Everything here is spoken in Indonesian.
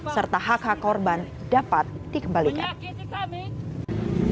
serta hak hak korban dapat dikembalikan